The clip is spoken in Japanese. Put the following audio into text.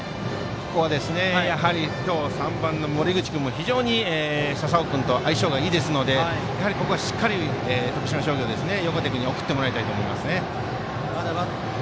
ここは、３番の森口君も非常に笹尾君と相性がいいですのでここはしっかり横手君は送ってもらいたいと思います。